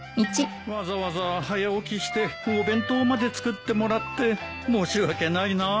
わざわざ早起きしてお弁当まで作ってもらって申し訳ないな。